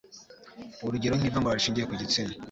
urugero nk'ivangura rishingiye ku gitsina